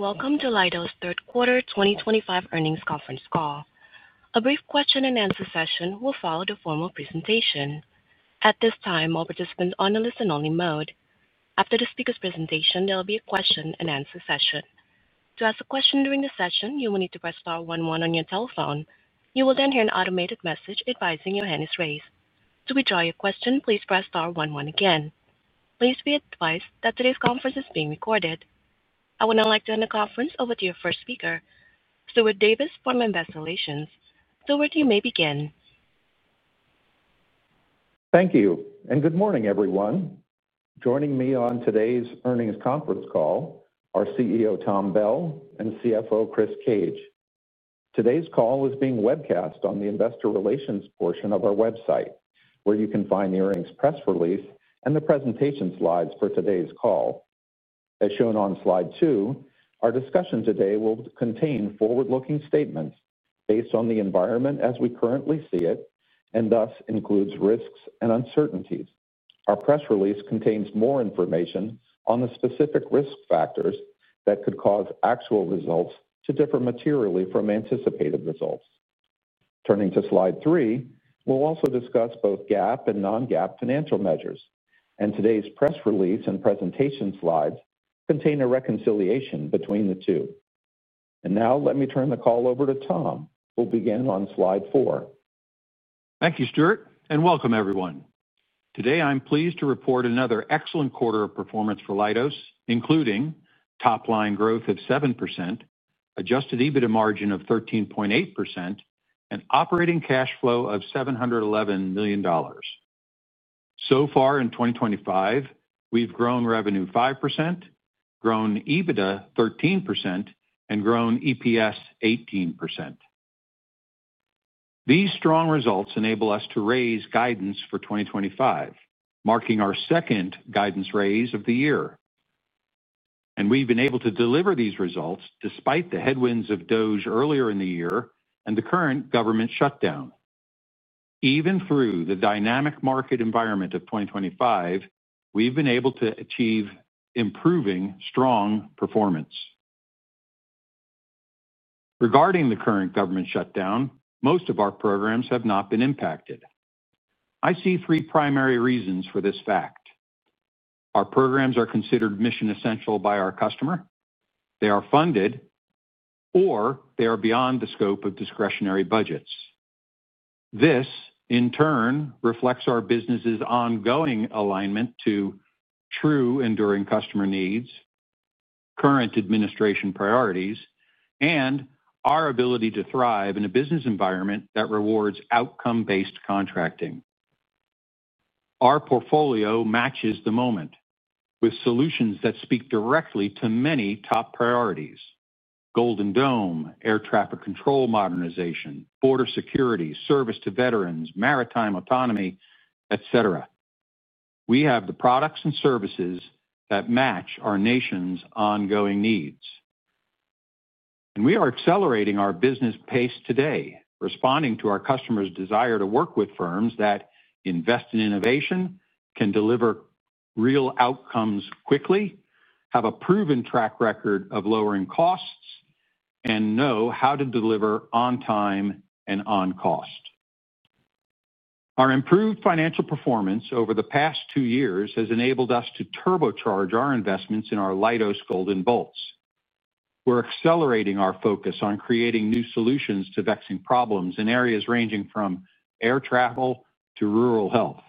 Welcome to Leidos third quarter 2025 earnings conference call. A brief question-and-answer session will follow the formal presentation. At this time, all participants are on a listen-only mode. After the speaker's presentation, there will be a question-and-answer session. To ask a question during the session, you will need to press star one one on your telephone. You will then hear an automated message advising your hand is raised. To withdraw your question, please press star one one again. Please be advised that today's conference is being recorded. I would now like to hand the conference over to your first speaker, Stuart Davis, for congratulations. Stuart, you may begin. Thank you, and good morning, everyone. Joining me on today's earnings conference call are CEO Tom Bell and CFO Chris Cage. Today's call is being webcast on the investor relations portion of our website, where you can find the earnings press release and the presentation slides for today's call. As shown on slide two, our discussion today will contain forward-looking statements based on the environment as we currently see it and thus includes risks and uncertainties. Our press release contains more information on the specific risk factors that could cause actual results to differ materially from anticipated results. Turning to slide three, we'll also discuss both GAAP and non-GAAP financial measures, and today's press release and presentation slides contain a reconciliation between the two. Now, let me turn the call over to Tom, who will begin on slide four. Thank you, Stuart, and welcome, everyone. Today, I'm pleased to report another excellent quarter of performance for Leidos, including top-line growth of 7%, adjusted EBITDA margin of 13.8%, and operating cash flow of $711 million. So far in 2025, we've grown revenue 5%, grown EBITDA 13%, and grown EPS 18%. These strong results enable us to raise guidance for 2025, marking our second guidance raise of the year. We've been able to deliver these results despite the headwinds of DOGE earlier in the year and the current government shutdown. Even through the dynamic market environment of 2025, we've been able to achieve improving strong performance. Regarding the current government shutdown, most of our programs have not been impacted. I see three primary reasons for this fact. Our programs are considered mission-essential by our customer, they are funded, or they are beyond the scope of discretionary budgets. This, in turn, reflects our business's ongoing alignment to true enduring customer needs, current administration priorities, and our ability to thrive in a business environment that rewards outcome-based contracting. Our portfolio matches the moment with solutions that speak directly to many top priorities: Golden Dome, air traffic control modernization, border security, service to veterans, maritime autonomy, etc. We have the products and services that match our nation's ongoing needs. We are accelerating our business pace today, responding to our customers' desire to work with firms that invest in innovation, can deliver real outcomes quickly, have a proven track record of lowering costs, and know how to deliver on time and on cost. Our improved financial performance over the past two years has enabled us to turbocharge our investments in our Leidos Golden Bolts. We're accelerating our focus on creating new solutions to vexing problems in areas ranging from air travel to rural health.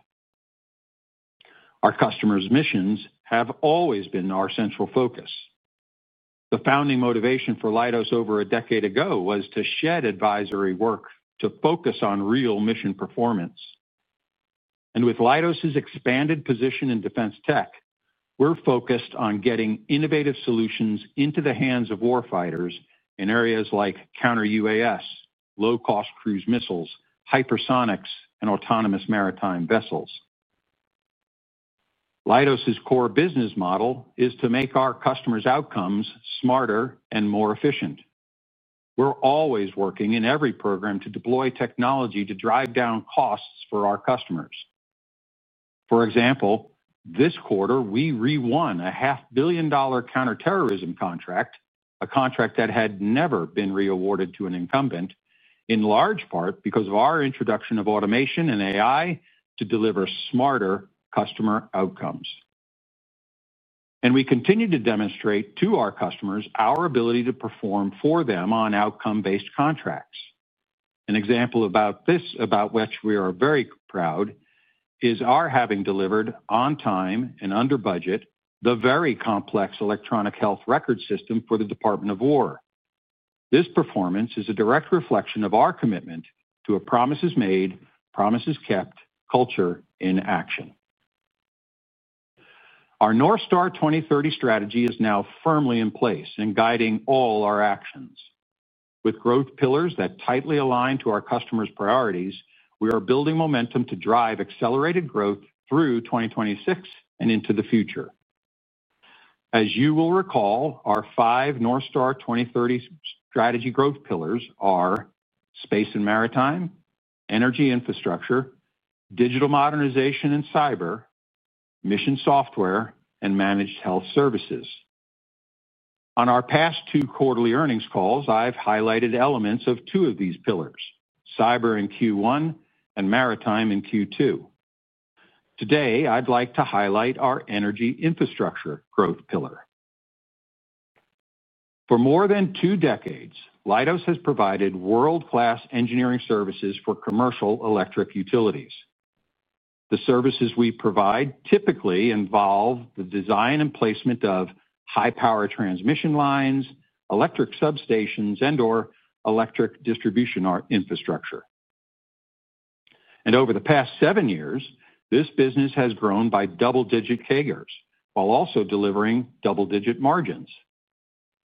Our customers' missions have always been our central focus. The founding motivation for Leidos over a decade ago was to shed advisory work to focus on real mission performance. With Leidos' expanded position in defense tech, we're focused on getting innovative solutions into the hands of warfighters in areas like counter-UAS, low-cost cruise missiles, hypersonics, and autonomous maritime vessels. Leidos' core business model is to make our customers' outcomes smarter and more efficient. We're always working in every program to deploy technology to drive down costs for our customers. For example, this quarter, we re-won a $500 million counter-terrorism contract, a contract that had never been reawarded to an incumbent, in large part because of our introduction of automation and AI to deliver smarter customer outcomes. We continue to demonstrate to our customers our ability to perform for them on outcome-based contracts. An example about this about which we are very proud is our having delivered on time and under budget the very complex electronic health record system for the Department of War. This performance is a direct reflection of our commitment to a promises-made, promises-kept culture in action. Our North Star 2030 strategy is now firmly in place and guiding all our actions. With growth pillars that tightly align to our customers' priorities, we are building momentum to drive accelerated growth through 2026 and into the future. As you will recall, our five North Star 2030 strategy growth pillars are space and maritime, energy infrastructure, digital modernization and cyber, mission software, and managed health services. On our past two quarterly earnings calls, I've highlighted elements of two of these pillars: cyber in Q1 and maritime in Q2. Today, I'd like to highlight our energy infrastructure growth pillar. For more than two decades, Leidos has provided world-class engineering services for commercial electric utilities. The services we provide typically involve the design and placement of high-power transmission lines, electric substations, and/or electric distribution infrastructure. Over the past seven years, this business has grown by double-digit figures while also delivering double-digit margins.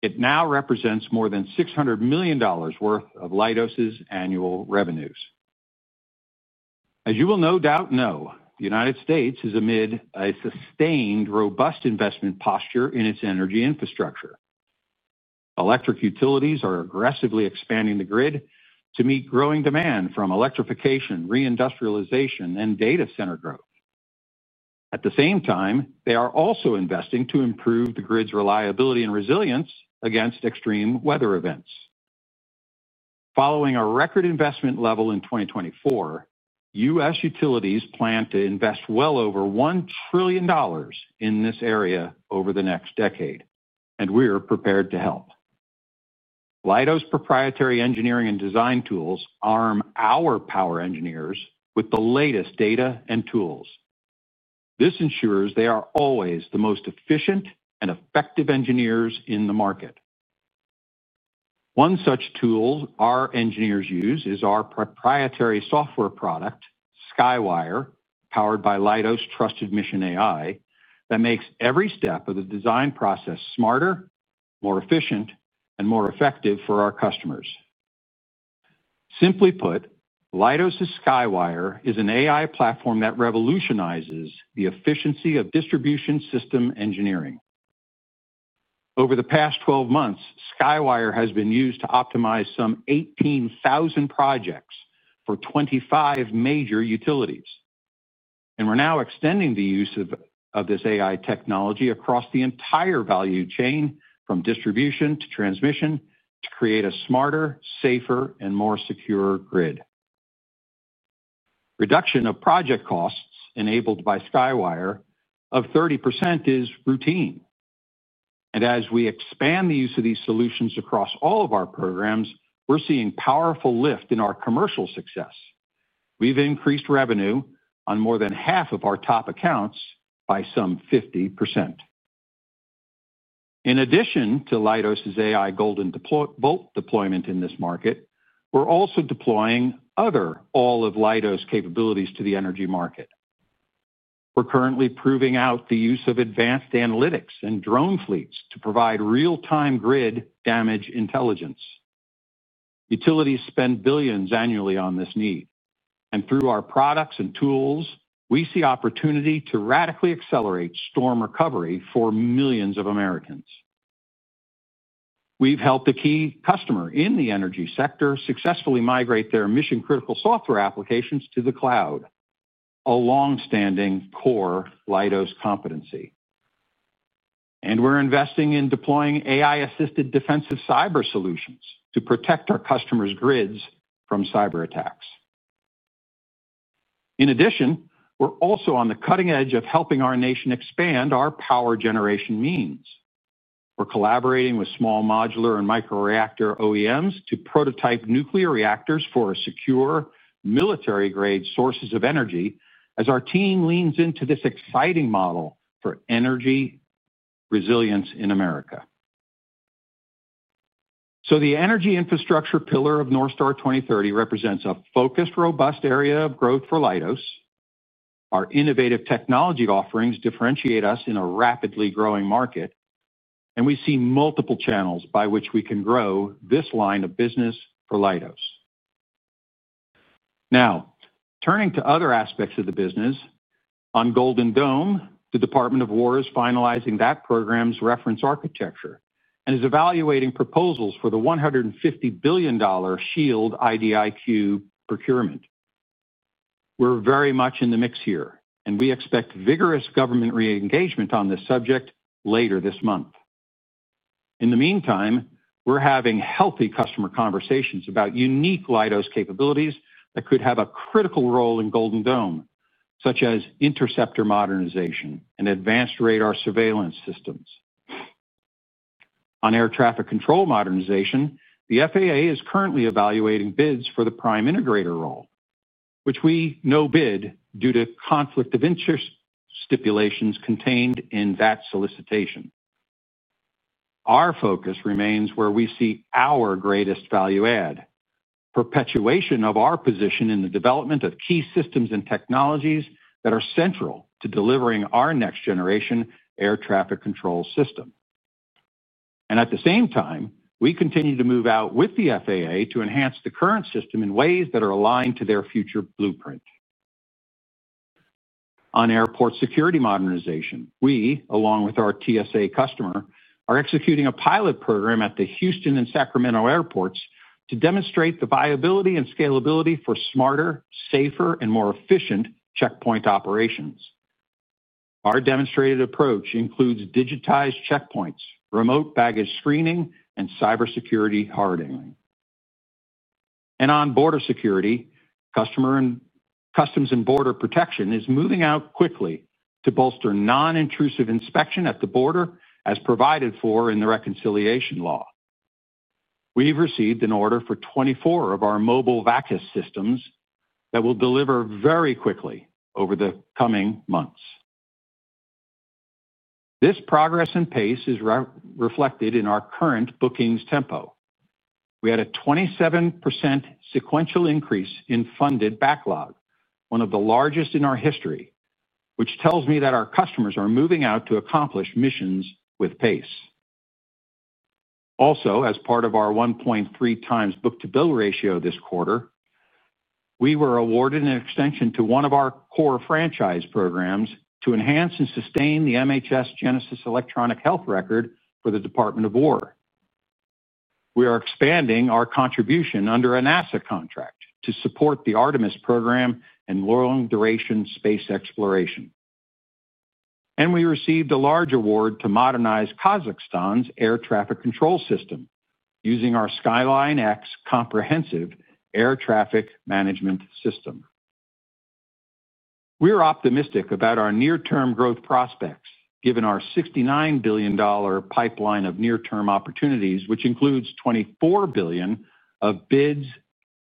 It now represents more than $600 million worth of Leidos' annual revenues. As you will no doubt know, the United States is amid a sustained, robust investment posture in its energy infrastructure. Electric utilities are aggressively expanding the grid to meet growing demand from electrification, reindustrialization, and data center growth. At the same time, they are also investing to improve the grid's reliability and resilience against extreme weather events. Following a record investment level in 2024, U.S. utilities plan to invest well over $1 trillion in this area over the next decade, and we're prepared to help. Leidos' proprietary engineering and design tools arm our power engineers with the latest data and tools. This ensures they are always the most efficient and effective engineers in the market. One such tool our engineers use is our proprietary software product, Skywire, powered by Leidos' trusted mission AI that makes every step of the design process smarter, more efficient, and more effective for our customers. Simply put, Leidos' Skywire is an AI platform that revolutionizes the efficiency of distribution system engineering. Over the past 12 months, Skywire has been used to optimize some 18,000 projects for 25 major utilities. We're now extending the use of this AI technology across the entire value chain, from distribution to transmission, to create a smarter, safer, and more secure grid. Reduction of project costs enabled by Skywire of 30% is routine. As we expand the use of these solutions across all of our programs, we're seeing powerful lift in our commercial success. We've increased revenue on more than half of our top accounts by some 50%. In addition to Leidos' AI Golden Bolt deployment in this market, we're also deploying other all-of-Leidos capabilities to the energy market. We're currently proving out the use of advanced analytics and drone fleets to provide real-time grid damage intelligence. Utilities spend billions annually on this need. Through our products and tools, we see opportunity to radically accelerate storm recovery for millions of Americans. We've helped a key customer in the energy sector successfully migrate their mission-critical software applications to the cloud. A longstanding core Leidos competency. We're investing in deploying AI-assisted defensive cyber solutions to protect our customers' grids from cyberattacks. In addition, we're also on the cutting edge of helping our nation expand our power generation means. We're collaborating with small modular and micro-reactor OEMs to prototype nuclear reactors for secure military-grade sources of energy as our team leans into this exciting model for energy resilience in America. The energy infrastructure pillar of North Star 2030 represents a focused, robust area of growth for Leidos. Our innovative technology offerings differentiate us in a rapidly growing market. We see multiple channels by which we can grow this line of business for Leidos. Now, turning to other aspects of the business. On Golden Dome, the U.S. Department of Defense is finalizing that program's reference architecture and is evaluating proposals for the $150 billion Shield IDIQ procurement. We're very much in the mix here, and we expect vigorous government re-engagement on this subject later this month. In the meantime, we're having healthy customer conversations about unique Leidos capabilities that could have a critical role in Golden Dome, such as interceptor modernization and advanced radar surveillance systems. On air traffic control modernization, the FAA is currently evaluating bids for the prime integrator role, which we no-bid due to conflict of interest stipulations contained in that solicitation. Our focus remains where we see our greatest value-add: perpetuation of our position in the development of key systems and technologies that are central to delivering our next-generation air traffic control system. At the same time, we continue to move out with the FAA to enhance the current system in ways that are aligned to their future blueprint. On airport security modernization, we, along with our TSA customer, are executing a pilot program at the Houston and Sacramento airports to demonstrate the viability and scalability for smarter, safer, and more efficient checkpoint operations. Our demonstrated approach includes digitized checkpoints, remote baggage screening, and cybersecurity hardening. On border security, Customs and Border Protection is moving out quickly to bolster non-intrusive inspection at the border, as provided for in the reconciliation law. We've received an order for 24 of our mobile VACS systems that will deliver very quickly over the coming months. This progress and pace is reflected in our current bookings tempo. We had a 27% sequential increase in funded backlog, one of the largest in our history, which tells me that our customers are moving out to accomplish missions with pace. Also, as part of our 1.3x book-to-bill ratio this quarter, we were awarded an extension to one of our core franchise programs to enhance and sustain the MHS Genesis electronic health record for the U.S. Department of Defense. We are expanding our contribution under a NASA contract to support the Artemis program and long-duration space exploration. We received a large award to modernize Kazakhstan's air traffic control system using our Skyline X comprehensive air traffic management system. We are optimistic about our near-term growth prospects given our $69 billion pipeline of near-term opportunities, which includes $24 billion of bids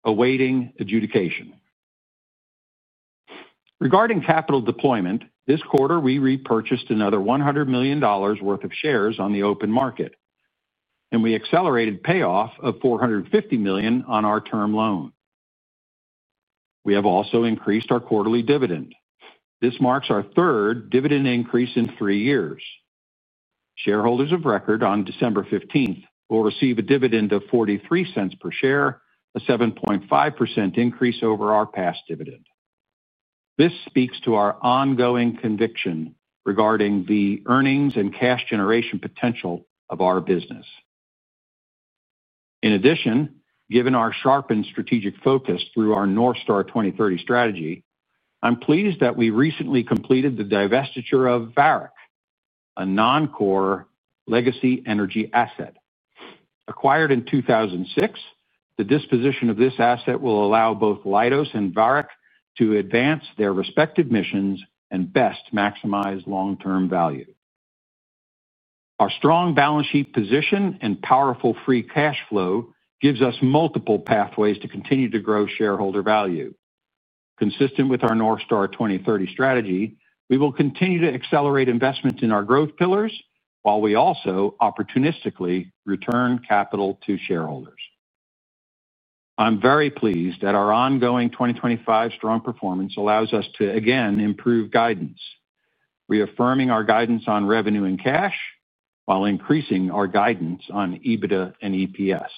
awaiting adjudication. Regarding capital deployment, this quarter, we repurchased another $100 million worth of shares on the open market. We accelerated payoff of $450 million on our term loan. We have also increased our quarterly dividend. This marks our third dividend increase in three years. Shareholders of record on December 15th will receive a dividend of $0.43 per share, a 7.5% increase over our past dividend. This speaks to our ongoing conviction regarding the earnings and cash generation potential of our business. In addition, given our sharpened strategic focus through our North Star 2030 strategy, I am pleased that we recently completed the divestiture of Varik, a non-core legacy energy asset. Acquired in 2006, the disposition of this asset will allow both Leidos and Varik to advance their respective missions and best maximize long-term value. Our strong balance sheet position and powerful free cash flow give us multiple pathways to continue to grow shareholder value. Consistent with our North Star 2030 strategy, we will continue to accelerate investment in our growth pillars while we also opportunistically return capital to shareholders. I am very pleased that our ongoing 2025 strong performance allows us to again improve guidance, reaffirming our guidance on revenue and cash while increasing our guidance on EBITDA and EPS.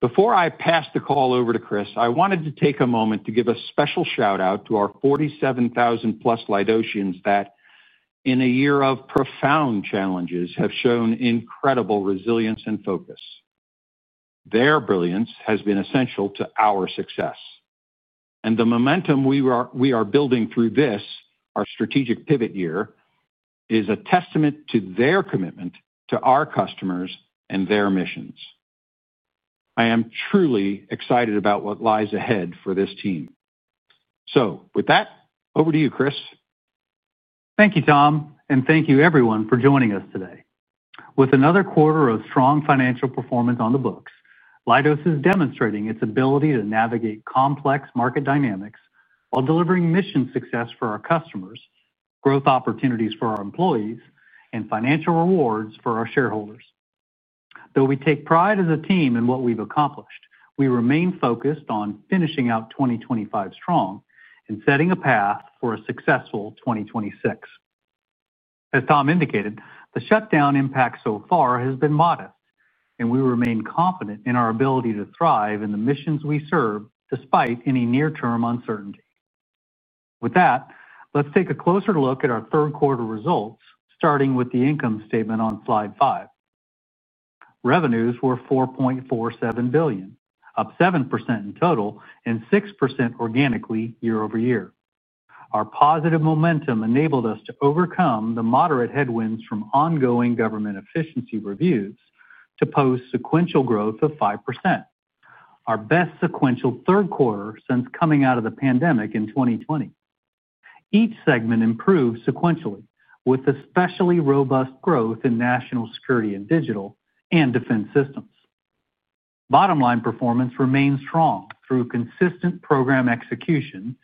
Before I pass the call over to Chris, I wanted to take a moment to give a special shout-out to our 47,000+ Leidosians that, in a year of profound challenges, have shown incredible resilience and focus. Their brilliance has been essential to our success. The momentum we are building through this, our strategic pivot year, is a testament to their commitment to our customers and their missions. I am truly excited about what lies ahead for this team. With that, over to you, Chris. Thank you, Tom, and thank you, everyone, for joining us today. With another quarter of strong financial performance on the books, Leidos is demonstrating its ability to navigate complex market dynamics while delivering mission success for our customers, growth opportunities for our employees, and financial rewards for our shareholders. Though we take pride as a team in what we have accomplished, we remain focused on finishing out 2025 strong and setting a path for a successful 2026. As Tom indicated, the shutdown impact so far has been modest, and we remain confident in our ability to thrive in the missions we serve despite any near-term uncertainty. With that, let us take a closer look at our third-quarter results, starting with the income statement on slide five. Revenues were $4.47 billion, up 7% in total and 6% organically year-over-year. Our positive momentum enabled us to overcome the moderate headwinds from ongoing government efficiency reviews to post-sequential growth of 5%. Our best sequential third quarter since coming out of the pandemic in 2020. Each segment improved sequentially with especially robust growth in national security and digital and defense systems. Bottom-line performance remained strong through consistent program execution,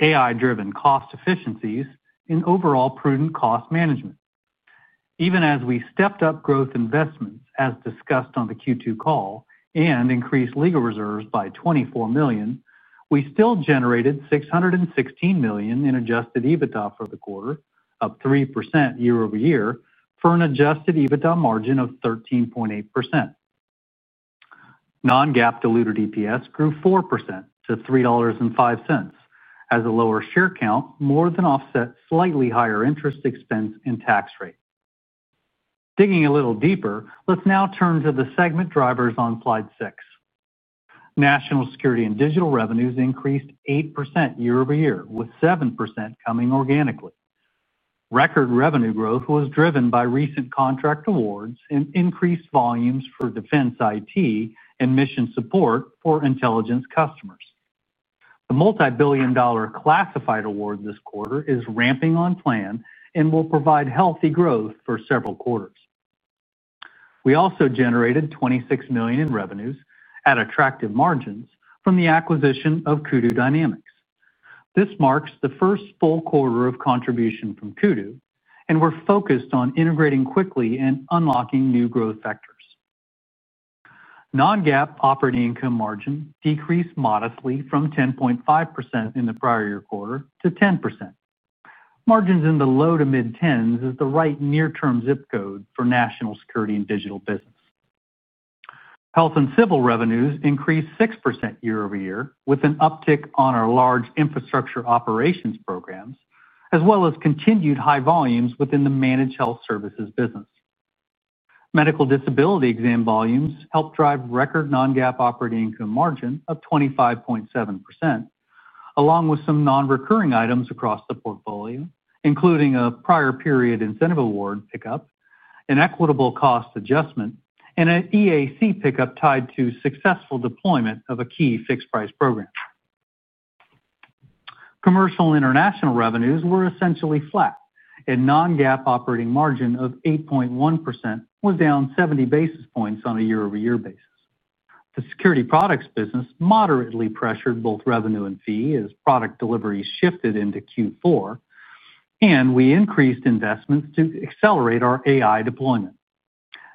AI-driven cost efficiencies, and overall prudent cost management. Even as we stepped up growth investments, as discussed on the Q2 call, and increased legal reserves by $24 million, we still generated $616 million in adjusted EBITDA for the quarter, up 3% year-over-year for an adjusted EBITDA margin of 13.8%. Non-GAAP diluted EPS grew 4% to $3.05 as a lower share count more than offset slightly higher interest expense and tax rate. Digging a little deeper, let's now turn to the segment drivers on slide six. National security and digital revenues increased 8% year-over-year, with 7% coming organically. Record revenue growth was driven by recent contract awards and increased volumes for defense IT and mission support for intelligence customers. The multi-billion dollar classified award this quarter is ramping on plan and will provide healthy growth for several quarters. We also generated $26 million in revenues at attractive margins from the acquisition of Kudu Dynamics. This marks the first full quarter of contribution from Kudu, and we're focused on integrating quickly and unlocking new growth factors. Non-GAAP operating income margin decreased modestly from 10.5% in the prior year quarter to 10%. Margins in the low to mid-10s is the right near-term zip code for national security and digital business. Health and civil revenues increased 6% year-over-year with an uptick on our large infrastructure operations programs, as well as continued high volumes within the managed health services business. Medical disability exam volumes helped drive record non-GAAP operating income margin of 25.7%. Along with some non-recurring items across the portfolio, including a prior period incentive award pickup, an equitable cost adjustment, and an EAC pickup tied to successful deployment of a key fixed price program. Commercial and international revenues were essentially flat, and non-GAAP operating margin of 8.1% was down 70 basis points on a year-over-year basis. The security products business moderately pressured both revenue and fee as product deliveries shifted into Q4. We increased investments to accelerate our AI deployment.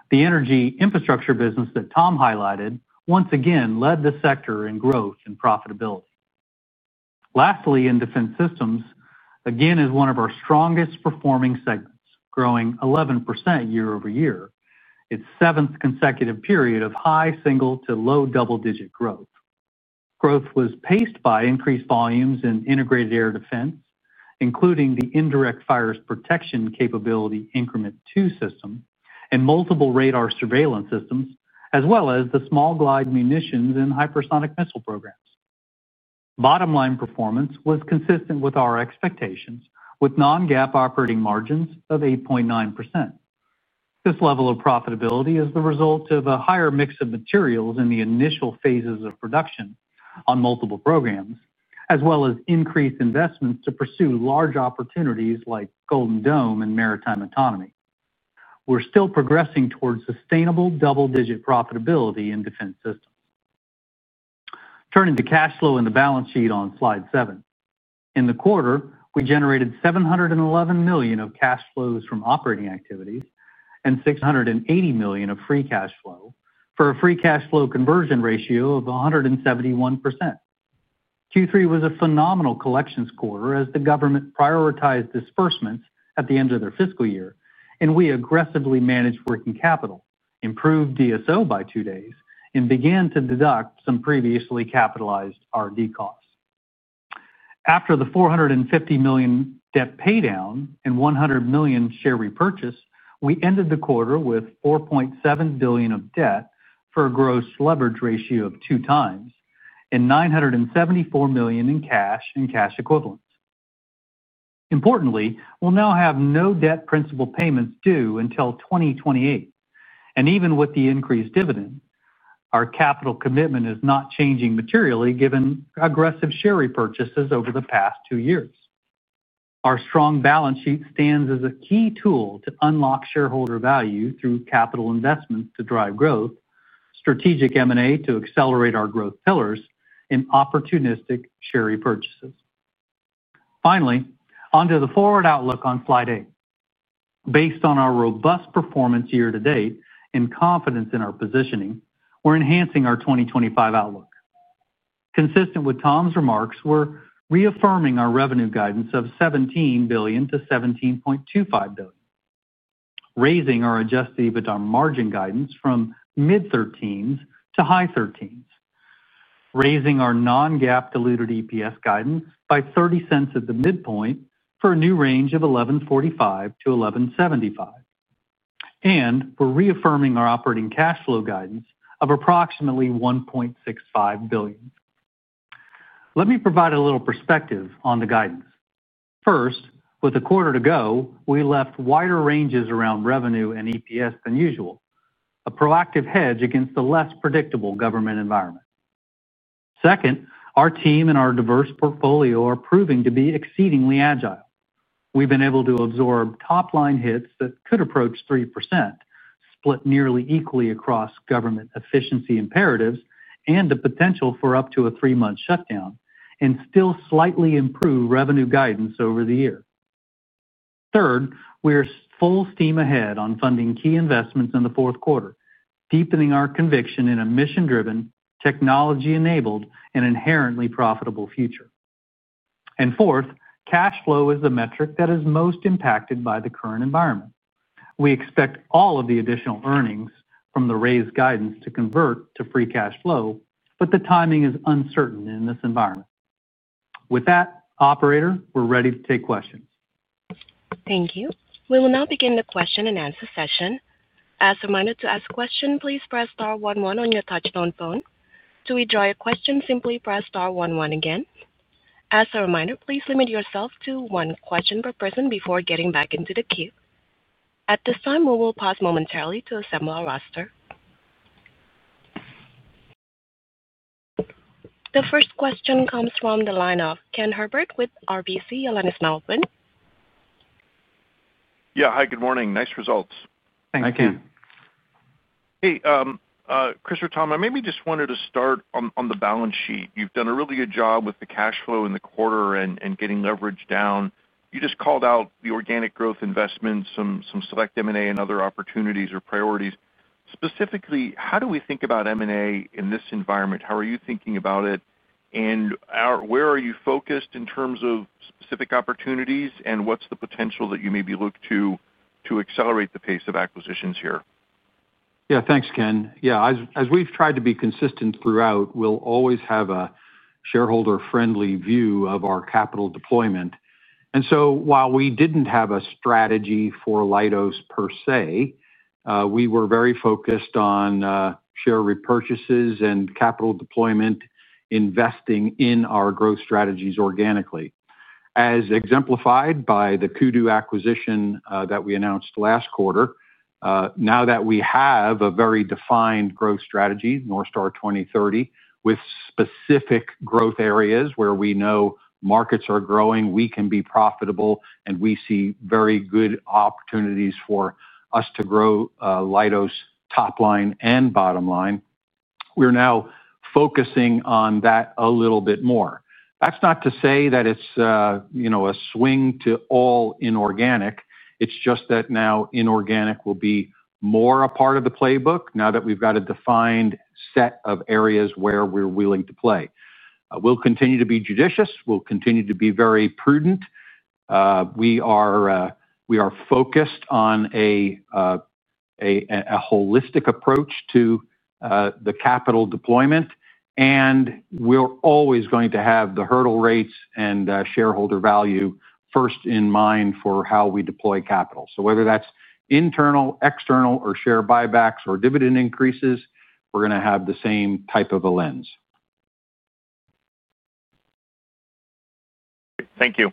The energy infrastructure business that Tom highlighted once again led the sector in growth and profitability. Lastly, in defense systems, again, is one of our strongest performing segments, growing 11% year-over-year, its seventh consecutive period of high single to low double-digit growth. Growth was paced by increased volumes in integrated air defense, including the indirect fire protection capability increment two system and multiple radar surveillance systems, as well as the small glide munitions and hypersonic missile programs. Bottom-line performance was consistent with our expectations, with non-GAAP operating margins of 8.9%. This level of profitability is the result of a higher mix of materials in the initial phases of production on multiple programs, as well as increased investments to pursue large opportunities like Golden Dome and maritime autonomy. We're still progressing towards sustainable double-digit profitability in defense systems. Turning to cash flow and the balance sheet on slide seven. In the quarter, we generated $711 million of cash flows from operating activities and $680 million of free cash flow for a free cash flow conversion ratio of 171%. Q3 was a phenomenal collections quarter as the government prioritized disbursements at the end of their fiscal year, and we aggressively managed working capital, improved DSO by two days, and began to deduct some previously capitalized R&D costs. After the $450 million debt paydown and $100 million share repurchase, we ended the quarter with $4.7 billion of debt for a gross leverage ratio of two times and $974 million in cash and cash equivalents. Importantly, we'll now have no debt principal payments due until 2028. Even with the increased dividend, our capital commitment is not changing materially given aggressive share repurchases over the past two years. Our strong balance sheet stands as a key tool to unlock shareholder value through capital investments to drive growth, strategic M&A to accelerate our growth pillars, and opportunistic share repurchases. Finally, onto the forward outlook on slide eight. Based on our robust performance year to date and confidence in our positioning, we're enhancing our 2025 outlook. Consistent with Tom's remarks, we're reaffirming our revenue guidance of $17 billion-$17.25 billion. Raising our adjusted EBITDA margin guidance from mid-13s to high 13s. Raising our non-GAAP diluted EPS guidance by $0.30 at the midpoint for a new range of $11.45-$11.75. We're reaffirming our operating cash flow guidance of approximately $1.65 billion. Let me provide a little perspective on the guidance. First, with a quarter to go, we left wider ranges around revenue and EPS than usual, a proactive hedge against the less predictable government environment. Second, our team and our diverse portfolio are proving to be exceedingly agile. We've been able to absorb top-line hits that could approach 3%, split nearly equally across government efficiency imperatives and the potential for up to a three-month shutdown, and still slightly improve revenue guidance over the year. Third, we are full steam ahead on funding key investments in the fourth quarter, deepening our conviction in a mission-driven, technology-enabled, and inherently profitable future. Fourth, cash flow is the metric that is most impacted by the current environment. We expect all of the additional earnings from the raised guidance to convert to free cash flow, but the timing is uncertain in this environment. With that, Operator, we're ready to take questions. Thank you. We will now begin the question-and-answer session. As a reminder to ask a question, please press star 11 on your touch-tone phone. To withdraw your question, simply press star one one again. As a reminder, please limit yourself to one question per person before getting back into the queue. At this time, we will pause momentarily to assemble our roster. The first question comes from the line of Ken Herbert with RBC. Your line is now open. Yeah, hi, good morning. Nice results. Thank you. I can. Hey. Chris or Tom, I maybe just wanted to start on the balance sheet. You've done a really good job with the cash flow in the quarter and getting leverage down. You just called out the organic growth investments, some select M&A and other opportunities or priorities. Specifically, how do we think about M&A in this environment? How are you thinking about it? And where are you focused in terms of specific opportunities, and what's the potential that you maybe look to accelerate the pace of acquisitions here? Yeah, thanks, Ken. Yeah, as we've tried to be consistent throughout, we'll always have a shareholder-friendly view of our capital deployment. While we didn't have a strategy for Leidos per se, we were very focused on share repurchases and capital deployment investing in our growth strategies organically, as exemplified by the Kudu acquisition that we announced last quarter. Now that we have a very defined growth strategy, Northstar 2030, with specific growth areas where we know markets are growing, we can be profitable, and we see very good opportunities for us to grow Leidos top line and bottom line. We're now focusing on that a little bit more. That's not to say that it's a swing to all inorganic. It's just that now inorganic will be more a part of the playbook now that we've got a defined set of areas where we're willing to play. We'll continue to be judicious. We'll continue to be very prudent. We are focused on a holistic approach to the capital deployment, and we're always going to have the hurdle rates and shareholder value first in mind for how we deploy capital. So whether that's internal, external, or share buybacks or dividend increases, we're going to have the same type of a lens. Great. Thank you.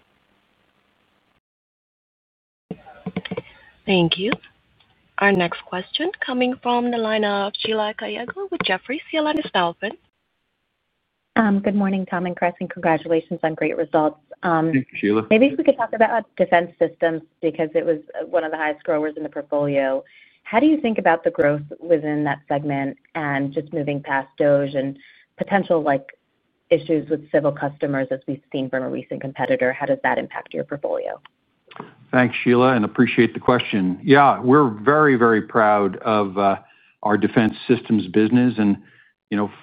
Thank you. Our next question coming from the line of Sheila Kahyaoglu with Jefferies. Your line is open. Good morning, Tom and Chris, and congratulations on great results. Thank you, Sheila. Maybe if we could talk about defense systems because it was one of the highest growers in the portfolio. How do you think about the growth within that segment and just moving past DoD and potential issues with civil customers as we've seen from a recent competitor? How does that impact your portfolio? Thanks, Sheila, and appreciate the question. Yeah, we're very, very proud of our defense systems business. And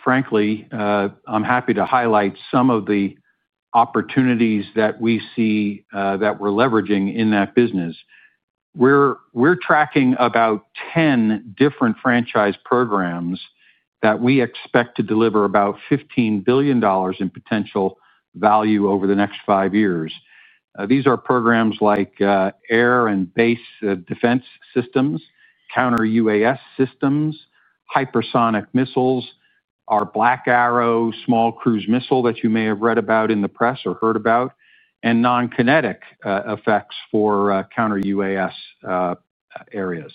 frankly, I'm happy to highlight some of the opportunities that we see that we're leveraging in that business. We're tracking about 10 different franchise programs that we expect to deliver about $15 billion in potential value over the next five years. These are programs like air and base defense systems, counter-UAS systems, hypersonic missiles, our Black Arrow small cruise missile that you may have read about in the press or heard about, and non-kinetic effects for counter-UAS areas.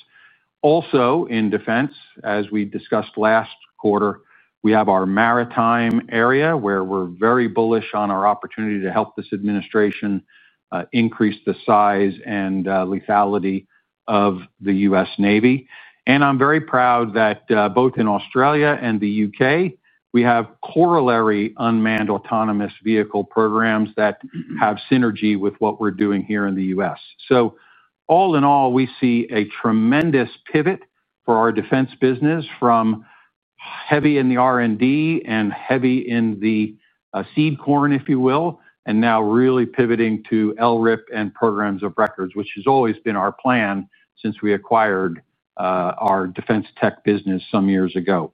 Also, in defense, as we discussed last quarter, we have our maritime area where we're very bullish on our opportunity to help this administration increase the size and lethality of the U.S. Navy. I'm very proud that both in Australia and the U.K., we have corollary unmanned autonomous vehicle programs that have synergy with what we're doing here in the U.S. All in all, we see a tremendous pivot for our defense business from heavy in the R&D and heavy in the seed corn, if you will, and now really pivoting to LRIP and programs of record, which has always been our plan since we acquired our defense tech business some years ago.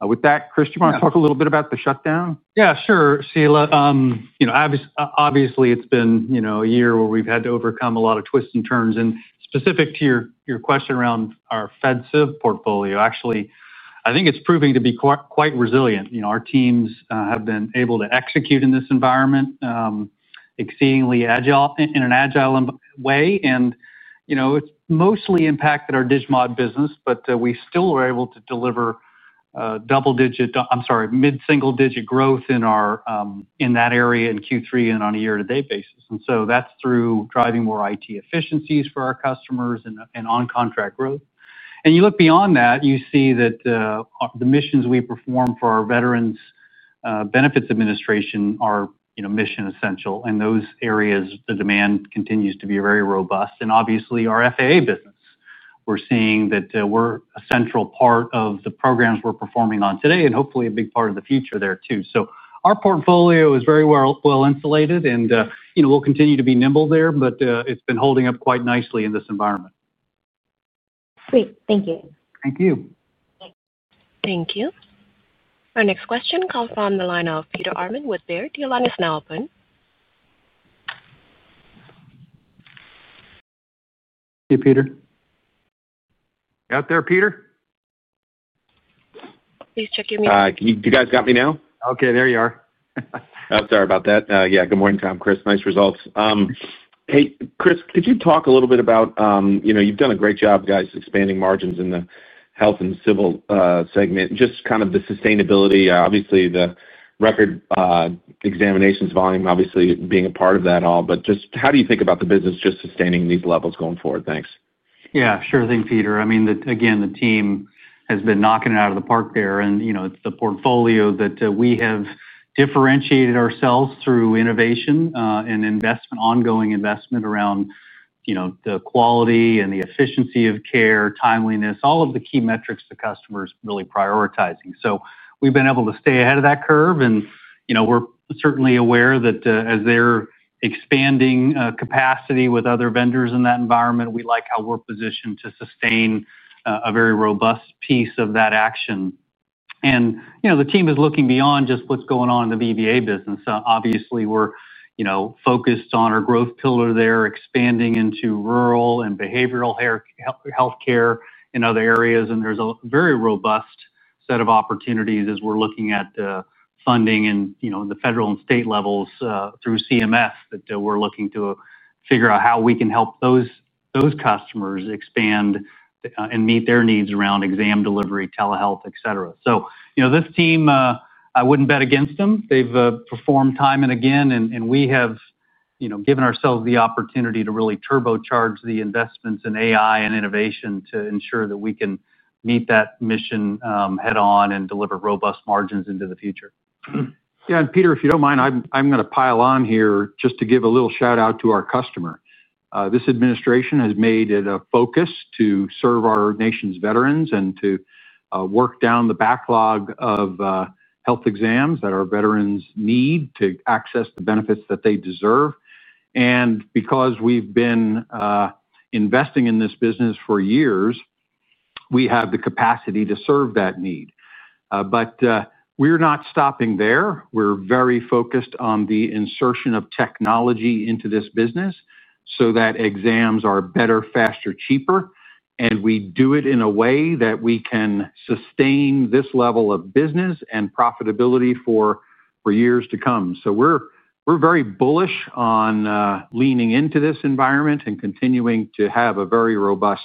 With that, Chris, do you want to talk a little bit about the shutdown? Yeah, sure, Sheila. Obviously, it's been a year where we've had to overcome a lot of twists and turns. Specific to your question around our FedSig portfolio, actually, I think it's proving to be quite resilient. Our teams have been able to execute in this environment, exceedingly agile in an agile way. It's mostly impacted our Digimod business, but we still were able to deliver mid-single-digit growth in that area in Q3 and on a year-to-date basis. That's through driving more IT efficiencies for our customers and on-contract growth. You look beyond that, you see that the missions we perform for our Veterans Benefits Administration are mission essential. In those areas, the demand continues to be very robust. Obviously, our FAA business, we're seeing that we're a central part of the programs we're performing on today and hopefully a big part of the future there too. Our portfolio is very well insulated, and we'll continue to be nimble there, but it's been holding up quite nicely in this environment. Great. Thank you. Thank you. Thank you. Our next question comes from the line of Peter Arment with Baird. Do you allow this now, open? Thank you, Peter. Out there, Peter? Please check your mute. You guys got me now? Okay, there you are. I'm sorry about that. Yeah, good morning, Tom, Chris. Nice results. Hey, Chris, could you talk a little bit about—you've done a great job, guys, expanding margins in the health and civil segment—just kind of the sustainability, obviously, the record examinations volume, obviously, being a part of that all. Just how do you think about the business just sustaining these levels going forward? Thanks. Yeah, sure thing, Peter. I mean, again, the team has been knocking it out of the park there. It's the portfolio that we have differentiated ourselves through innovation and ongoing investment around. The quality and the efficiency of care, timeliness, all of the key metrics the customer is really prioritizing. We have been able to stay ahead of that curve. We are certainly aware that as they are expanding capacity with other vendors in that environment, we like how we are positioned to sustain a very robust piece of that action. The team is looking beyond just what is going on in the VBA business. Obviously, we are focused on our growth pillar there, expanding into rural and behavioral healthcare in other areas. There is a very robust set of opportunities as we are looking at funding in the federal and state levels through CMS that we are looking to figure out how we can help those customers expand and meet their needs around exam delivery, telehealth, etc. This team, I would not bet against them. They have performed time and again. We have given ourselves the opportunity to really turbocharge the investments in AI and innovation to ensure that we can meet that mission head-on and deliver robust margins into the future. Yeah, and Peter, if you do not mind, I am going to pile on here just to give a little shout-out to our customer. This administration has made it a focus to serve our nation's veterans and to work down the backlog of health exams that our veterans need to access the benefits that they deserve. Because we have been investing in this business for years, we have the capacity to serve that need. We are not stopping there. We are very focused on the insertion of technology into this business so that exams are better, faster, cheaper. We do it in a way that we can sustain this level of business and profitability for years to come. We are very bullish on leaning into this environment and continuing to have a very robust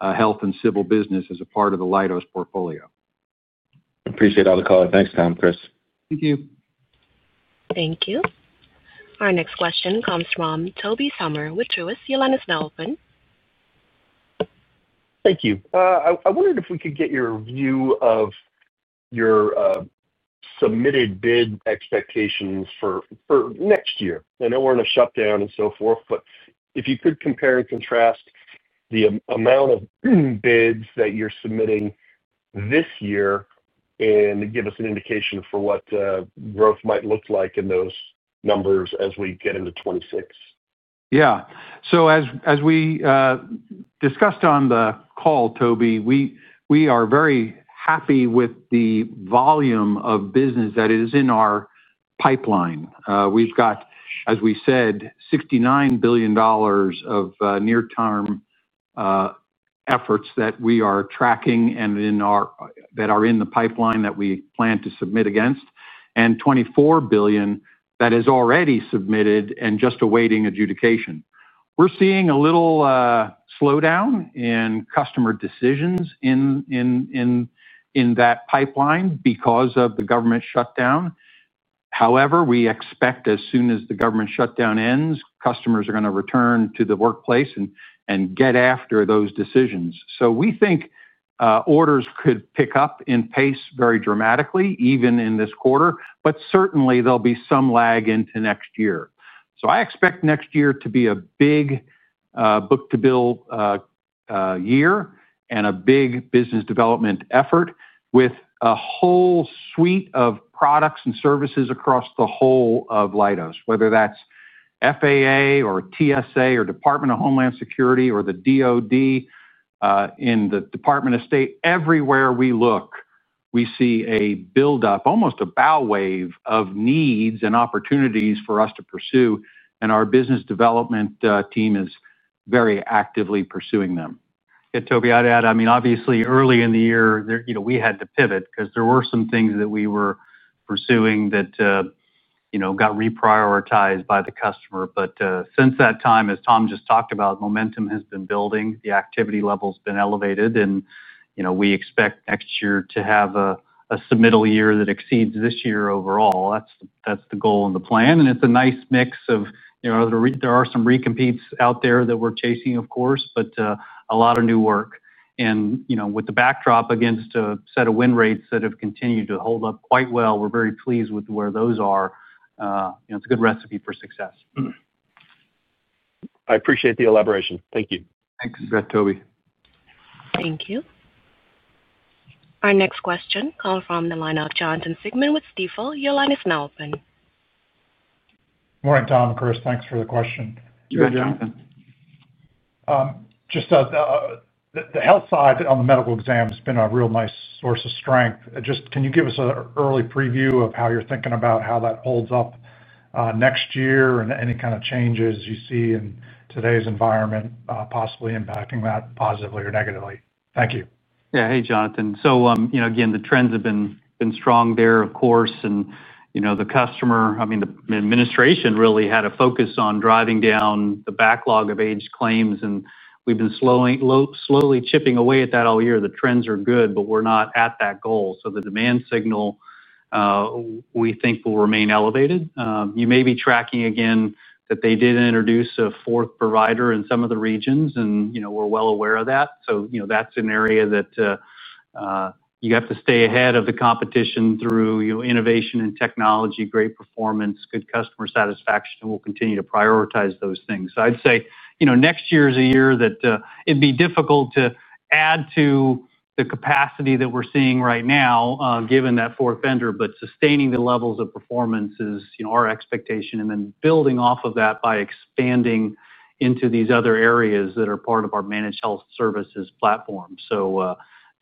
health and civil business as a part of the Leidos portfolio. Appreciate all the call. Thanks, Tom, Chris. Thank you. Thank you. Our next question comes from Tobey Sommer with Truist. Your line is now open. Thank you. I wondered if we could get your view of your submitted bid expectations for next year. I know we are in a shutdown and so forth, but if you could compare and contrast the amount of bids that you are submitting this year and give us an indication for what growth might look like in those numbers as we get into 2026. Yeah. As we discussed on the call, Tobey, we are very happy with the volume of business that is in our pipeline. We have got, as we said, $69 billion of near-term efforts that we are tracking and that are in the pipeline that we plan to submit against, and $24 billion that is already submitted and just awaiting adjudication. We are seeing a little slowdown in customer decisions in that pipeline because of the government shutdown. However, we expect as soon as the government shutdown ends, customers are going to return to the workplace and get after those decisions. We think orders could pick up in pace very dramatically, even in this quarter, but certainly there will be some lag into next year. I expect next year to be a big book-to-bill year and a big business development effort with a whole suite of products and services across the whole of Leidos, whether that's FAA or TSA or Department of Homeland Security or the DoD. In the Department of State, everywhere we look, we see a build-up, almost a bow wave of needs and opportunities for us to pursue. Our business development team is very actively pursuing them. Yeah, Tobey, I'd add, I mean, obviously, early in the year, we had to pivot because there were some things that we were pursuing that got reprioritized by the customer. Since that time, as Tom just talked about, momentum has been building. The activity level has been elevated. We expect next year to have a submittal year that exceeds this year overall. That's the goal and the plan. It's a nice mix. There are some recompetes out there that we're chasing, of course, but a lot of new work. With the backdrop against a set of win rates that have continued to hold up quite well, we're very pleased with where those are. It's a good recipe for success. I appreciate the elaboration. Thank you. Thanks, again Tobey. Thank you. Our next question comes from the line of Jonathan Siegmann with Stifel, your line is now open. Good morning, Tom and Chris. Thanks for the question. Good morning, Jonathan. Just, the health side on the medical exam has been a real nice source of strength. Just can you give us an early preview of how you're thinking about how that holds up next year and any kind of changes you see in today's environment possibly impacting that positively or negatively? Thank you. Yeah. Hey, Jon Again, the trends have been strong there, of course. The customer, I mean, the administration really had a focus on driving down the backlog of age claims. We've been slowly chipping away at that all year. The trends are good, but we're not at that goal. The demand signal, we think, will remain elevated. You may be tracking again that they did introduce a fourth provider in some of the regions. We're well aware of that. That's an area that you have to stay ahead of the competition through innovation and technology, great performance, good customer satisfaction. We'll continue to prioritize those things. I'd say next year is a year that it'd be difficult to add to the capacity that we're seeing right now given that fourth vendor, but sustaining the levels of performance is our expectation. Then building off of that by expanding into these other areas that are part of our managed health services platform.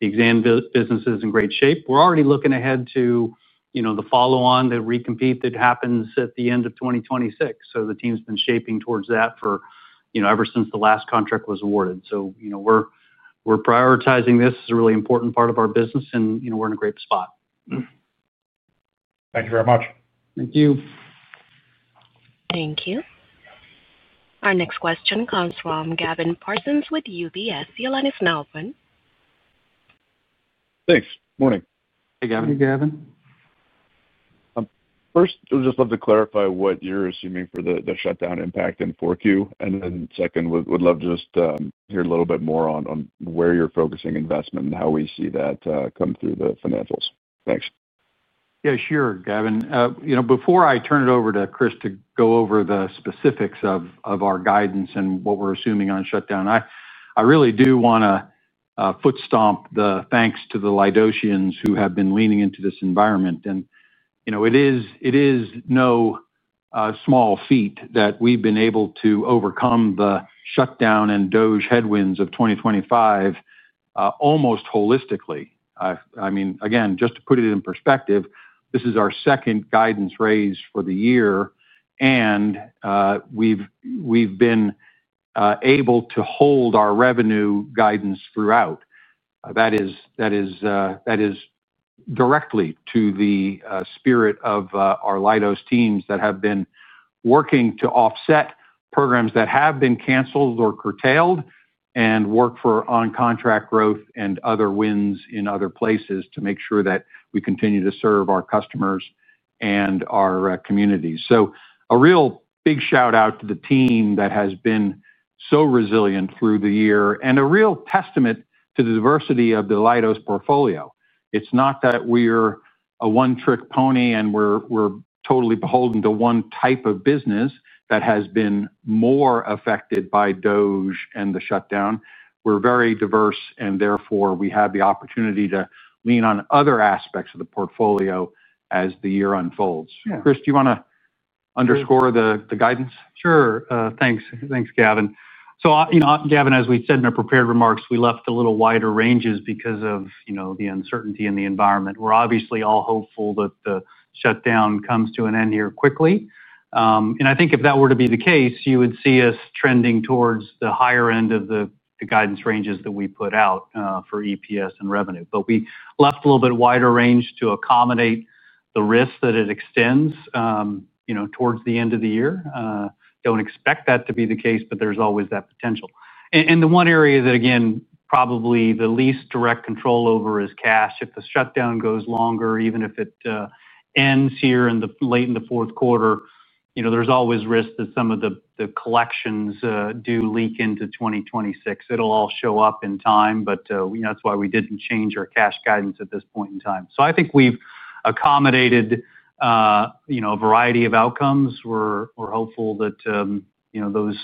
The exam business is in great shape. We're already looking ahead to the follow-on, the recompete, that happens at the end of 2026. The team's been shaping towards that ever since the last contract was awarded. We're prioritizing this. It's a really important part of our business. We're in a great spot. Thank you very much. Thank you. Thank you. Our next question comes from Gavin Parsons with UBS. Your line is now open. Thanks. Morning. Hey, Gavin. First, I'd just love to clarify what you're assuming for the shutdown impact in Q4. Second, would love to just hear a little bit more on where you're focusing investment and how we see that come through the financials. Thanks. Yeah, sure, Gavin. Before I turn it over to Chris to go over the specifics of our guidance and what we're assuming on shutdown, I really do want to footstomp the thanks to the Leidosians who have been leaning into this environment. It is no small feat that we've been able to overcome the shutdown and DOGE headwinds of 2025 almost holistically. I mean, just to put it in perspective, this is our second guidance raise for the year. We've been able to hold our revenue guidance throughout. That is directly to the spirit of our Leidos teams that have been working to offset programs that have been canceled or curtailed and work for on-contract growth and other wins in other places to make sure that we continue to serve our customers and our communities. A real big shout-out to the team that has been so resilient through the year and a real testament to the diversity of the Leidos portfolio. It's not that we're a one-trick pony and we're totally beholden to one type of business that has been more affected by DOGE and the shutdown. We're very diverse, and therefore, we have the opportunity to lean on other aspects of the portfolio as the year unfolds. Chris, do you want to underscore the guidance? Sure. Thanks. Thanks, Gavin. Gavin, as we said in our prepared remarks, we left a little wider ranges because of the uncertainty in the environment. We're obviously all hopeful that the shutdown comes to an end here quickly. I think if that were to be the case, you would see us trending towards the higher end of the guidance ranges that we put out for EPS and revenue. We left a little bit wider range to accommodate the risk that it extends towards the end of the year. Don't expect that to be the case, but there's always that potential. The one area that, again, probably the least direct control over is cash. If the shutdown goes longer, even if it. Ends here in the late in the fourth quarter, there's always risk that some of the collections do leak into 2026. It'll all show up in time, but that's why we didn't change our cash guidance at this point in time. I think we've accommodated a variety of outcomes. We're hopeful that those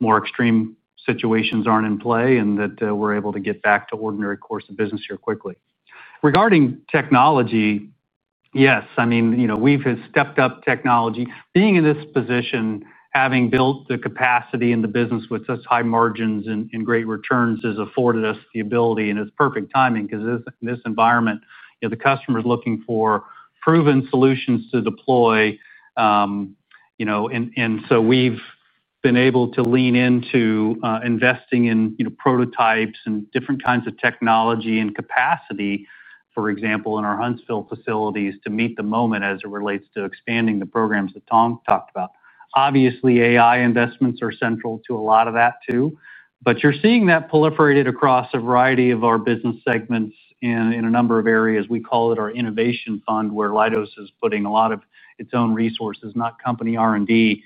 more extreme situations aren't in play and that we're able to get back to ordinary course of business here quickly. Regarding technology, yes. I mean, we've stepped up technology. Being in this position, having built the capacity in the business with such high margins and great returns has afforded us the ability. It's perfect timing because in this environment, the customer is looking for proven solutions to deploy. We've been able to lean into investing in prototypes and different kinds of technology and capacity, for example, in our Huntsville facilities to meet the moment as it relates to expanding the programs that Tom talked about. Obviously, AI investments are central to a lot of that too. You're seeing that proliferated across a variety of our business segments in a number of areas. We call it our innovation fund, where Leidos is putting a lot of its own resources, not company R&D,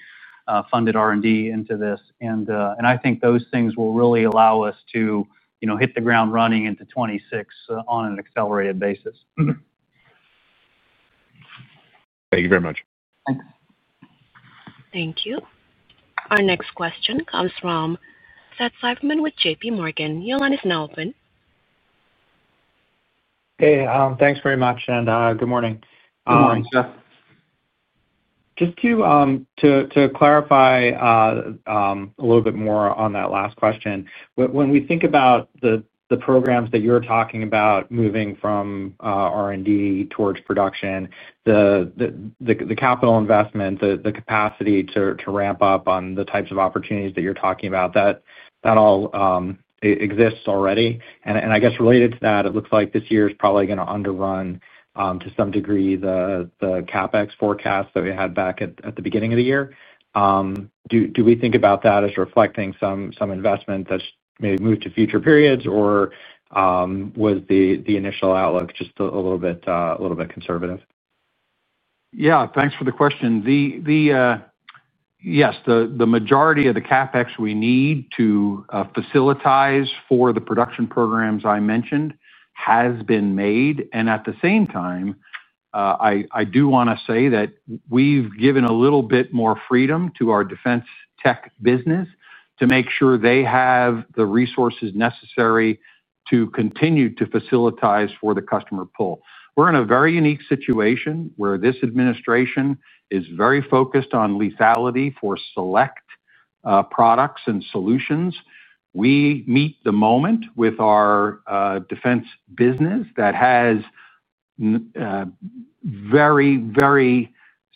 funded R&D into this. I think those things will really allow us to hit the ground running into 2026 on an accelerated basis. Thank you very much. Thank you. Our next question comes from Seth Seifman with JPMorgan. Your line is now open. Hey, thanks very much. Good morning. Good morning, Seth. Just to clarify a little bit more on that last question. When we think about the programs that you're talking about moving from R&D towards production, the capital investment, the capacity to ramp up on the types of opportunities that you're talking about, that all exists already. I guess related to that, it looks like this year is probably going to underrun to some degree the CapEx forecast that we had back at the beginning of the year. Do we think about that as reflecting some investment that's maybe moved to future periods, or was the initial outlook just a little bit conservative? Yeah. Thanks for the question. Yes. The majority of the CapEx we need to facilitate for the production programs I mentioned has been made. At the same time, I do want to say that we've given a little bit more freedom to our defense tech business to make sure they have the resources necessary to continue to facilitate for the customer pull. We're in a very unique situation where this administration is very focused on lethality for select products and solutions. We meet the moment with our defense business that has very, very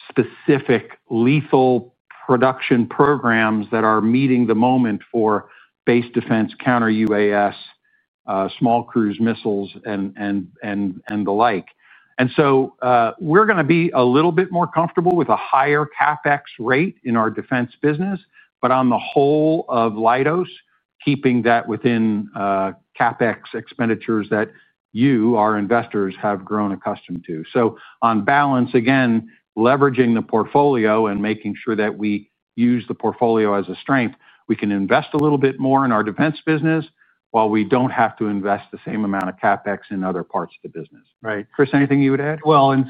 specific lethal production programs that are meeting the moment for base defense, counter-UAS, small cruise missiles, and the like. We're going to be a little bit more comfortable with a higher CapEx rate in our defense business, but on the whole of Leidos, keeping that within CapEx expenditures that you, our investors, have grown accustomed to. On balance, again, leveraging the portfolio and making sure that we use the portfolio as a strength, we can invest a little bit more in our defense business while we do not have to invest the same amount of CapEx in other parts of the business. Right. Chris, anything you would add?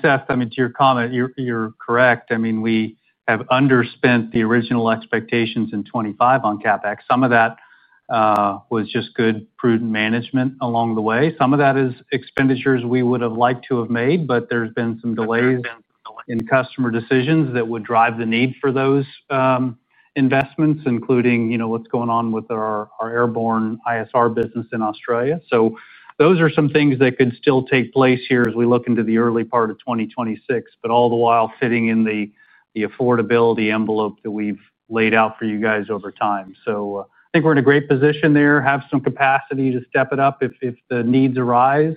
Seth, to your comment, you're correct. We have underspent the original expectations in 2025 on CapEx. Some of that was just good, prudent management along the way. Some of that is expenditures we would have liked to have made, but there have been some delays in customer decisions that would drive the need for those investments, including what is going on with our airborne ISR business in Australia. Those are some things that could still take place here as we look into the early part of 2026, but all the while fitting in the affordability envelope that we have laid out for you guys over time. I think we are in a great position there, have some capacity to step it up if the needs arise,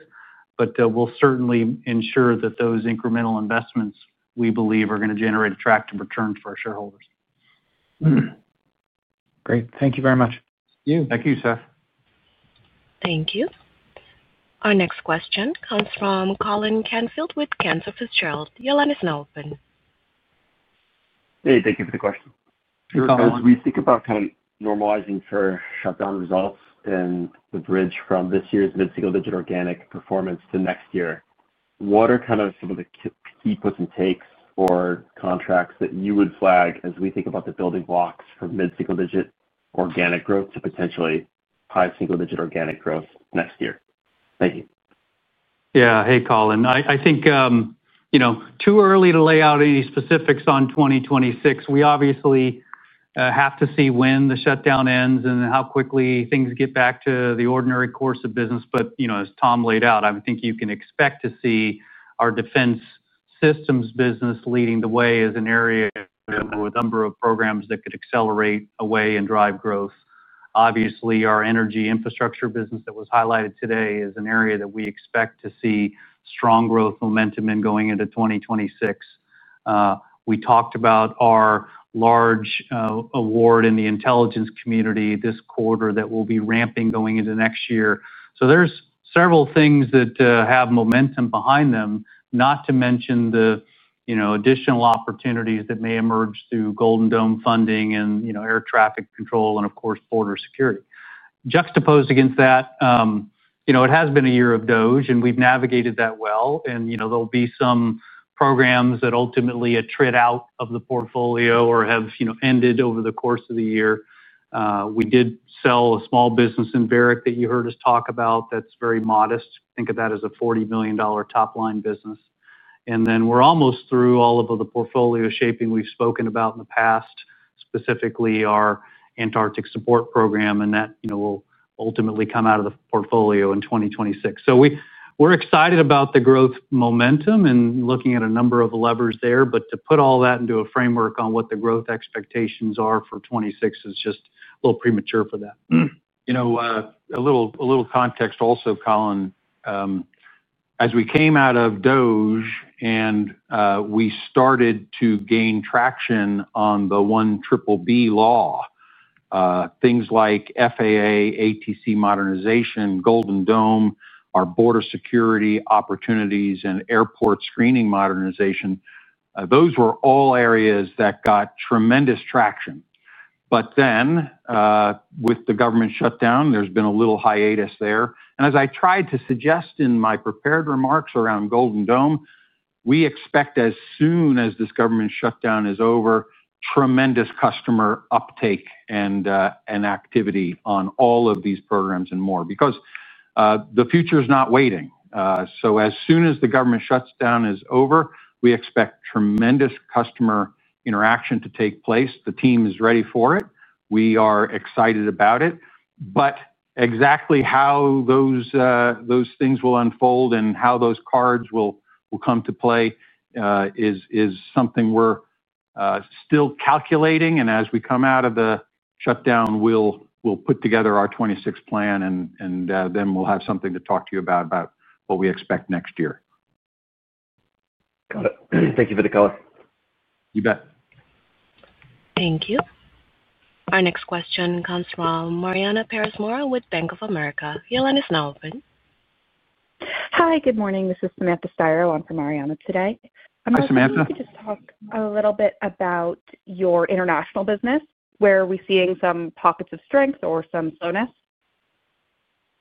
but we will certainly ensure that those incremental investments, we believe, are going to generate attractive returns for our shareholders. Great. Thank you very much. Thank you, Seth. Thank you. Our next question comes from Colin Canfield with Cantor Fitzgerald. Your line is now open. Thank you for the question. As we think about kind of normalizing for shutdown results and the bridge from this year's mid-single digit organic performance to next year, what are some of the key puts and takes or contracts that you would flag as we think about the building blocks for mid-single digit organic growth to potentially high single digit organic growth next year? Thank you. Yeah. Colin, I think it is too early to lay out any specifics on 2026. We obviously have to see when the shutdown ends and how quickly things get back to the ordinary course of business. As Tom laid out, you can expect to see our defense systems business leading the way as an area with a number of programs that could accelerate away and drive growth. Our energy infrastructure business that was highlighted today is an area that we expect to see strong growth momentum in going into 2026. We talked about our large award in the intelligence community this quarter that will be ramping going into next year. There are several things that have momentum behind them, not to mention the additional opportunities that may emerge through Golden Dome funding and air traffic control and, of course, border security. Juxtaposed against that, it has been a year of DOGE, and we have navigated that well. There'll be some programs that ultimately have tricked out of the portfolio or have ended over the course of the year. We did sell a small business in Varik that you heard us talk about that's very modest. Think of that as a $40 million top-line business. We're almost through all of the portfolio shaping we've spoken about in the past, specifically our Antarctic support program, and that will ultimately come out of the portfolio in 2026. We're excited about the growth momentum and looking at a number of levers there. To put all that into a framework on what the growth expectations are for 2026 is just a little premature for that. A little context also, Colin. As we came out of DOGE and we started to gain traction on the 1BBB law. Things like FAA, ATC modernization, Golden Dome, our border security opportunities, and airport screening modernization, those were all areas that got tremendous traction. With the government shutdown, there's been a little hiatus there. As I tried to suggest in my prepared remarks around Golden Dome, we expect as soon as this government shutdown is over, tremendous customer uptake and activity on all of these programs and more because the future is not waiting. As soon as the government shutdown is over, we expect tremendous customer interaction to take place. The team is ready for it. We are excited about it. Exactly how those things will unfold and how those cards will come to play is something we're still calculating. As we come out of the shutdown, we'll put together our 2026 plan, and then we'll have something to talk to you about, about what we expect next year. Got it. Thank you for the call. Thanks, again. Thank you. Our next question comes from Mariana Pérez Mora with Bank of America. Your line is now open. Hi. Good morning. This is Samantha Steier. I'm for Mariana today. Hi, Samantha. I'd like to just talk a little bit about your international business. Where are we seeing some pockets of strength or some slowness?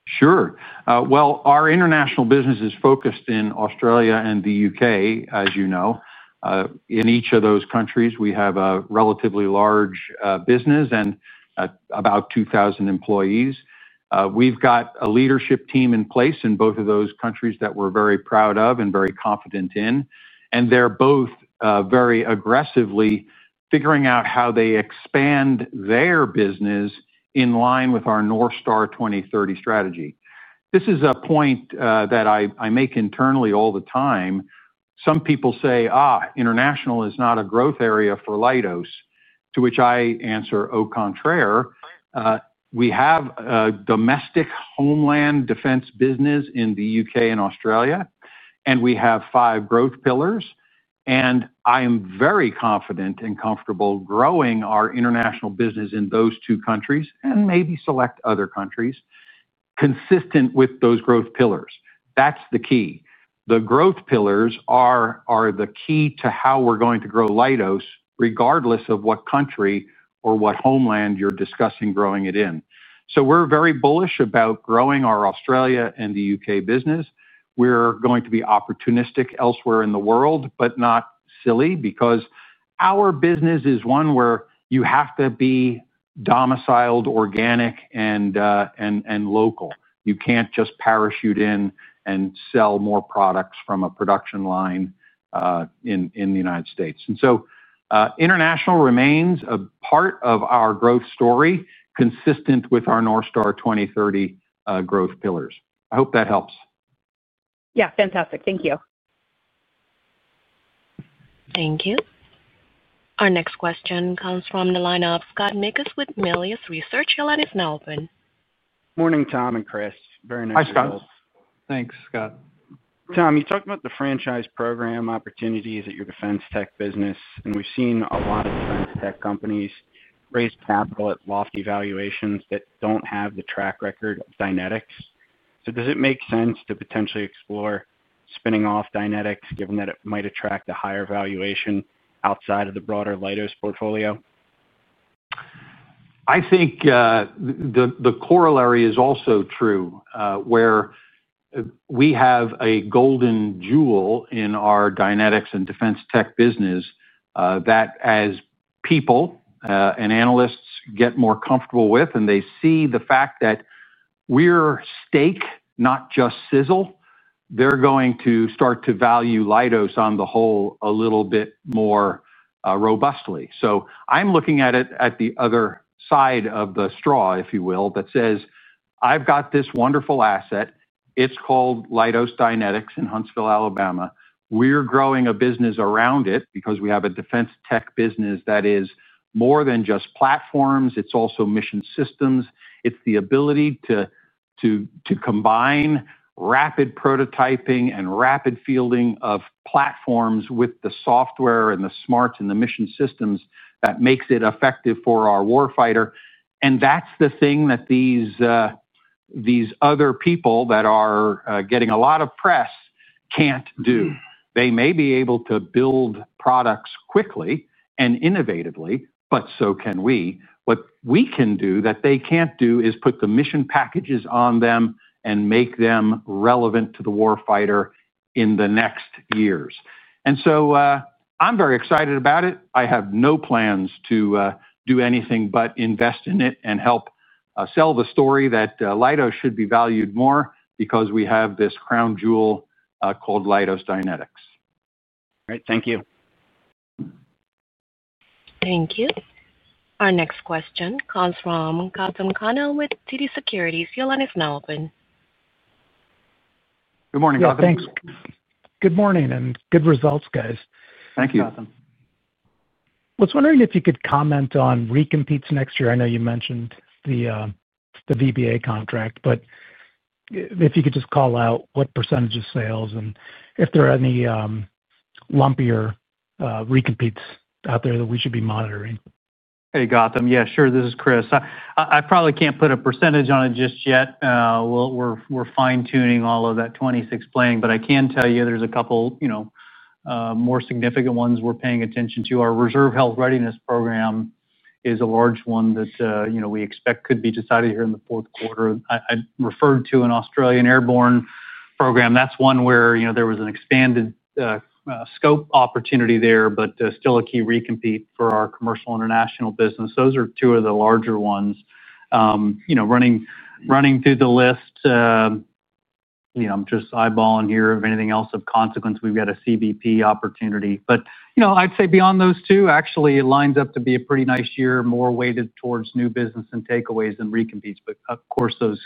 Sure. Our international business is focused in Australia and the U.K., as you know. In each of those countries, we have a relatively large business and about 2,000 employees. We've got a leadership team in place in both of those countries that we're very proud of and very confident in. They're both very aggressively figuring out how they expand their business in line with our North Star 2030 strategy. This is a point that I make internally all the time. Some people say, "International is not a growth area for Leidos," to which I answer, "Oh, contrary." We have a domestic homeland defense business in the U.K. and Australia, and we have five growth pillars. I am very confident and comfortable growing our international business in those two countries and maybe select other countries, consistent with those growth pillars. That's the key. The growth pillars are the key to how we're going to grow Leidos, regardless of what country or what homeland you're discussing growing it in. So we're very bullish about growing our Australia and the U.K. business. We're going to be opportunistic elsewhere in the world, but not silly, because our business is one where you have to be domiciled, organic, and local. You can't just parachute in and sell more products from a production line in the United States. And so international remains a part of our growth story, consistent with our North Star 2030 growth pillars. I hope that helps. Yeah. Fantastic. Thank you. Thank you. Our next question comes from the line of Scott Mikus with Melius Research. Your line is now open. Morning, Tom and Chris. Very nice to meet you both. Hi, Scott. Thanks, Scott. Tom, you talked about the franchise program opportunities at your defense tech business, and we've seen a lot of defense tech companies raise capital at lofty valuations that don't have the track record of Dynetics. So does it make sense to potentially explore spinning off Dynetics, given that it might attract a higher valuation outside of the broader Leidos portfolio? I think the corollary is also true, where we have a golden jewel in our Dynetics and defense tech business that, as people and analysts get more comfortable with, and they see the fact that we're steak, not just sizzle, they're going to start to value Leidos on the whole a little bit more robustly. So I'm looking at it at the other side of the straw, if you will, that says, "I've got this wonderful asset. It's called Leidos Dynetics in Huntsville, Alabama. We're growing a business around it because we have a defense tech business that is more than just platforms. It's also mission systems. It's the ability to combine rapid prototyping and rapid fielding of platforms with the software and the smarts and the mission systems that makes it effective for our warfighter." And that's the thing that these other people that are getting a lot of press can't do. They may be able to build products quickly and innovatively, but so can we. What we can do that they can't do is put the mission packages on them and make them relevant to the warfighter in the next years. And so I'm very excited about it. I have no plans to do anything but invest in it and help sell the story that Leidos should be valued more because we have this crown jewel called Leidos Dynetics. All right. Thank you. Thank you. Our next question comes from Gautam Khanna with TD Securities. Your line is now open. Good morning, Gautam. Thanks. Good morning and good results, guys. Thank you. Was wondering if you could comment on recompetes next year. I know you mentioned the VBA contract, but if you could just call out what percentage of sales and if there are any lumpier. Recompetes out there that we should be monitoring. Hey, Gautam. Yeah, sure. This is Chris. I probably can't put a percentage on it just yet. We're fine-tuning all of that 2026 planning, but I can tell you there's a couple. More significant ones we're paying attention to our reserve health readiness program is a large one that we expect could be decided here in the fourth quarter. I referred to an Australian airborne program. That's one where there was an expanded scope opportunity there, but still a key recompete for our commercial international business. Those are two of the larger ones. Running through the list. I'm just eyeballing here of anything else of consequence. We've got a CBP opportunity. I'd say beyond those two, actually, it lines up to be a pretty nice year, more weighted towards new business and takeaways and recompetes. Of course, those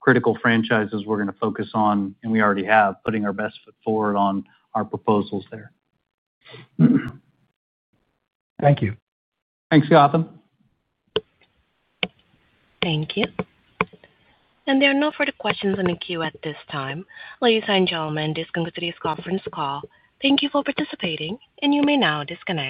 critical franchises we're going to focus on, and we already have, putting our best foot forward on our proposals there. Thank you. Thanks, Gautam. Thank you. There are no further questions in the queue at this time. Ladies and gentlemen, this concludes today's conference call. Thank you for participating, and you may now disconnect.